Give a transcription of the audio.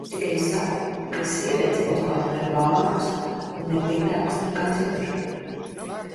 Es tikai saku, ka sievietes Bostonā ir bālākas un neglītākas nekā citur.